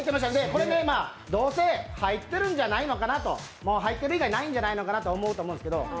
これね、どうせ入ってるんじゃないのかなと、入ってる以外ないんじゃないかと思うかもしれないんですけど